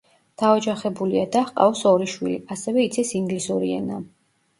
დაოჯახებულია და ჰყავს ორი შვილი, ასევე იცის ინგლისური ენა.